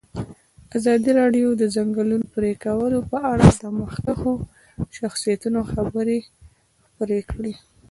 ازادي راډیو د د ځنګلونو پرېکول په اړه د مخکښو شخصیتونو خبرې خپرې کړي.